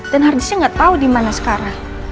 dan harddisknya gak tau dimana sekarang